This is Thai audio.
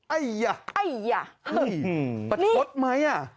อ้ายย่ะประชดมั้ยอ่า